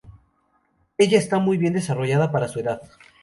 Ella está muy bien desarrollada para su edad.